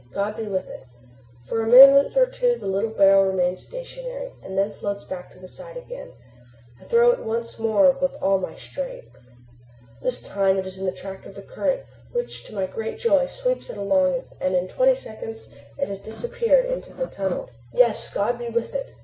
"God be with it!" For a minute or two the little barrel remains stationary, and then floats back to the side again. I throw it out once more with all my strength. This time it is in the track of the current, which to my great joy sweeps it along and in twenty seconds, it has disappeared in the tunnel. Yes, God be with it!